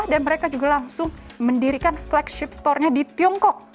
dan mereka juga langsung mendirikan flagship store nya di tiongkok